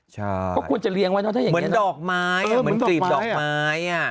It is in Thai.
เขาควรจะเลี้ยงไว้เนอะถ้าอย่างนี้เหมือนดอกไม้เหมือนกลีบดอกไม้อ่ะ